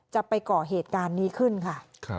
จะไปก่อเหตุการณ์นี้ขึ้นค่ะ